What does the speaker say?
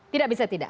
tidak bisa tidak